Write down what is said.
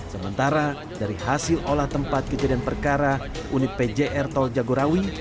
sementara dari hasil olah tempat kejadian perkara unit pjr tol jagorawi